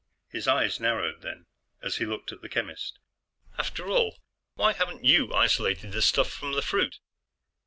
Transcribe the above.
His eyes narrowed then, as he looked at the chemist. "After all, why haven't you isolated the stuff from the fruit?"